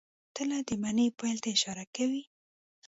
تله د مني پیل ته اشاره کوي.